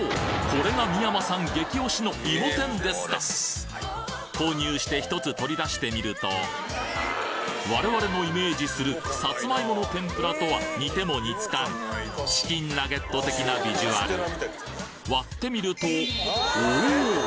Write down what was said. これが三山さん激推しのいも天ですか購入して１つ取り出してみると我々のイメージする「サツマイモの天ぷら」とは似ても似つかぬチキンナゲット的なビジュアル割ってみるとおぉ！